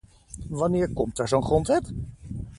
Wanneer komt er zo'n grondwet?